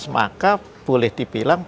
maka boleh dibilang